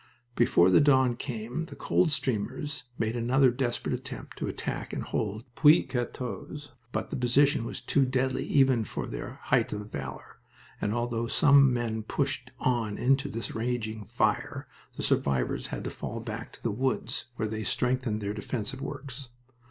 Before the dawn came the Coldstreamers made another desperate attempt to attack and hold Puits 14, but the position was too deadly even for their height of valor, and although some men pushed on into this raging fire, the survivors had to fall back to the woods, where they strengthened their defensive works.